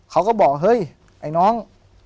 เขาก็บอกเฮ้ยไอ้น้อง